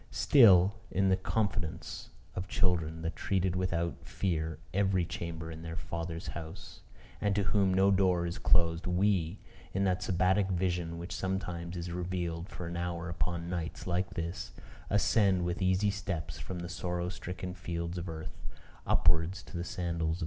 Still, in the confidence of children that tread without fear every chamber in their father's house, and to whom no door is closed, we, in that Sabbatic vision which sometimes is revealed for an hour upon nights like this, ascend with easy steps from the sorrow stricken fields of earth, upwards to the sandals of God.